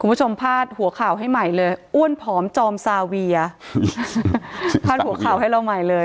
พาดหัวข่าวให้ใหม่เลยอ้วนผอมจอมซาเวียพาดหัวข่าวให้เราใหม่เลย